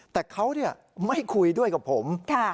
แต่เขาไม่คุยด้วยกับผม